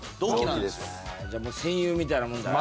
じゃあもう戦友みたいなもんだな。